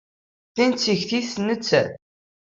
Tin d tikti-s nettat.